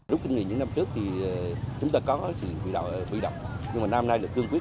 lúc kinh nghiệm những năm trước thì chúng ta có sự bị đọc nhưng mà năm nay là cương quyết